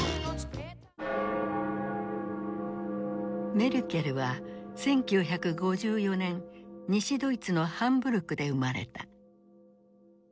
メルケルは１９５４年西ドイツのハンブルクで生まれた。